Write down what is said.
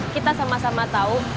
kita sama sama tahu